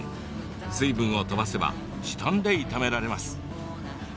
水分を飛ばせば時短で炒められます。